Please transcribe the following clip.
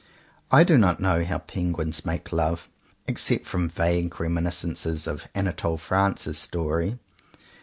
I do not know how penguins make love, except from vague reminiscences of Anatole France's story.